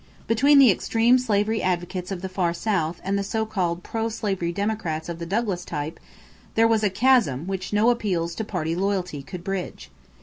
Between the extreme slavery advocates of the Far South and the so called pro slavery Democrats of the Douglas type, there was a chasm which no appeals to party loyalty could bridge.